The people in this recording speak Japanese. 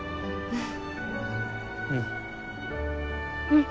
うん。